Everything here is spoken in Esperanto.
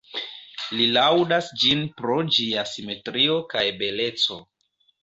Li laŭdas ĝin pro ĝia simetrio kaj beleco.